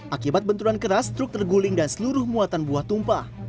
akibat benturan keras truk terguling dan seluruh muatan buah tumpah